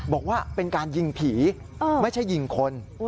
บอกว่าเป็นการยิงผีไม่ใช่ยิงคน